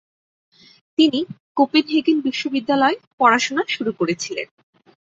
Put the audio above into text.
তিনি কোপেনহেগেন বিশ্ববিদ্যালয়ে পড়াশোনা শুরু করেছিলেন।